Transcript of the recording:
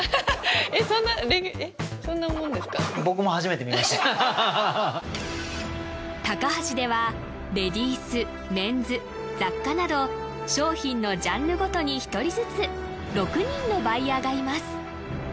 えっそんなタカハシではレディースメンズ雑貨など商品のジャンルごとに１人ずつ６人のバイヤーがいます